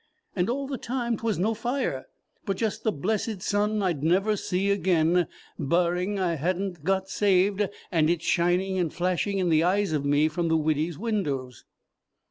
And all the time 't was no fire, but just the blessed sun I'd never see again, barring I had n't got saved, and it shining and flashing in the eyes of me from the widdy's windows."